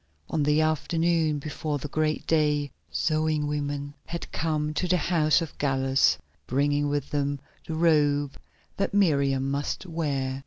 On the afternoon before the great day sewing women had come to the house of Gallus, bringing with them the robe that Miriam must wear.